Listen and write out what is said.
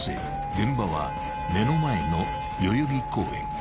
［現場は目の前の代々木公園］